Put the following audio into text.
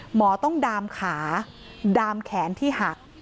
หมอต้องดามขาดามแขนที่หัก